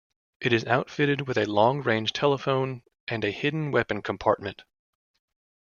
It is outfitted with a long-range telephone and a hidden weapon compartment.